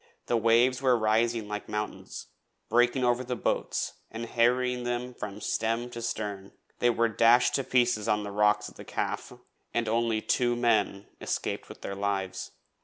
The waves were rising like mountains, breaking over the boats and harrying them from stem to stern. They were dashed to pieces on the rocks of the Calf, and only two men escaped with their lives.